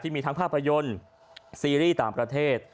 มีทั้งภาพยนตร์ซีรีส์ต่างประเทศ